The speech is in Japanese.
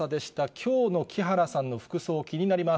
きょうの木原さんの服装、気になります。